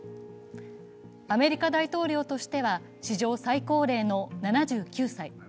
アメリカ大統領としては史上最高齢の７９歳。